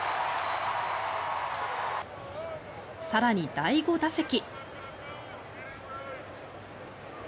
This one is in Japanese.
更に第５打席。